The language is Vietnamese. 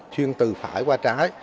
chuyên từ phải qua trái